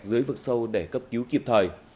dưới vực sâu để cấp cứu kịp thời